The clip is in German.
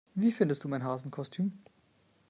Wie findest du mein Hasenkostüm?